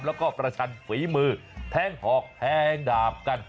แล้วก็ประชันฝีมือแทงหอกแทงดาบกัน